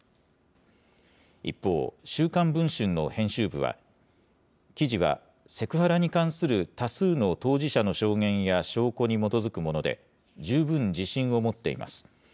一方、週刊文春の編集部は、記事はセクハラに関する多数の当事者の証言や証拠に基づくもので、十分自信を持っています。